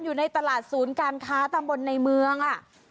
อยู่ในตลาดศูนย์การค้าตำบลในเมือง